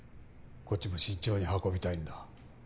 こっちも慎重に運びたいんだ。